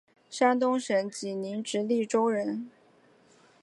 山东省济宁直隶州人。